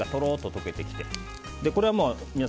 チーズがとろっと溶けてきて。